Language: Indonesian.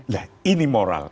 nah ini moral